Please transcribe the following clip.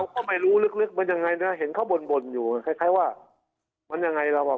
ก็ไม่รู้ลึกมันยังไงนะเห็นเขาบ่นอยู่คล้ายว่ามันยังไงเราอ่ะ